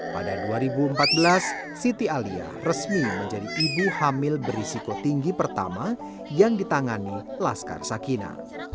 pada dua ribu empat belas siti alia resmi menjadi ibu hamil berisiko tinggi pertama yang ditangani laskar sakina